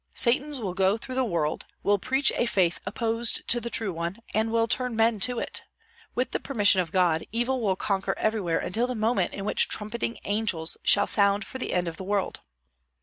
Satans will go through the world, will preach a faith opposed to the true one, and will turn men to it. With the permission of God, evil will conquer everywhere until the moment in which trumpeting angels shall sound for the end of the world."